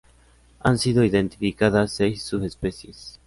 Han sido identificadas seis subespecies.